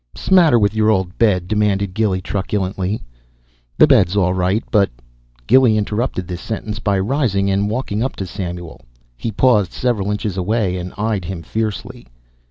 "S'matter with your old bed?" demanded Gilly truculently. "The bed's all right, but " Gilly interrupted this sentence by rising and walking up to Samuel. He paused several inches away and eyed him fiercely.